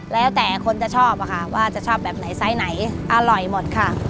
แล้วแต่คนจะชอบอะค่ะว่าจะชอบแบบไหนไซส์ไหนอร่อยหมดค่ะ